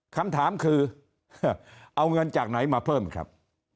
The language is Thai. คำถามคือเอาเงินจากไหนมาเพิ่มครับ